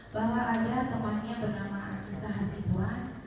bahwa ada temannya bernama afisah hasibuan